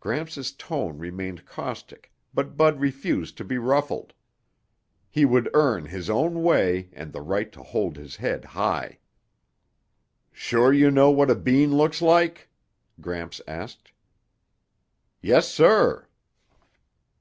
Gramps' tone remained caustic but Bud refused to be ruffled. He would earn his own way and the right to hold his head high. "Sure you know what a bean looks like?" Gramps asked. "Yes, sir."